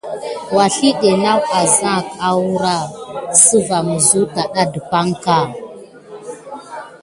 Wazldé naku azanke aoura siva muzutada de pay ka.